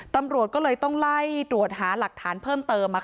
ตำรวจก็เลยต้องไล่รวดหาหลักทานเพิ่มเติมมาล่ะค่ะ